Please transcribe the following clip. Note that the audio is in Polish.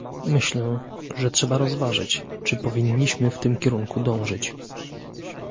Myślę, że trzeba rozważyć, czy powinniśmy w tym kierunku dążyć